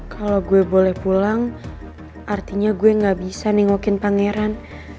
kalau gue boleh pulang artinya gue gak bisa nengokin pangeran